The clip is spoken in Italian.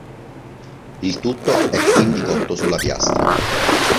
Il tutto è quindi cotto sulla piastra.